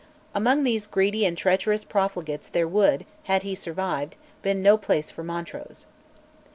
Among these greedy and treacherous profligates there would, had he survived, have been no place for Montrose.